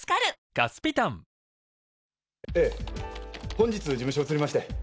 本日事務所を移りまして。